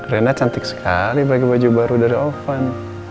rena cantik sekali pakai baju baru dari oven